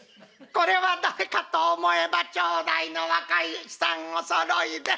これは誰かと思えば町内の若い衆さんおそろいで。